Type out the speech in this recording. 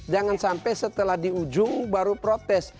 jangan sampai setelah di ujung baru protes